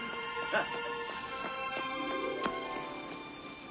あっ？